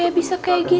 lari ipana lari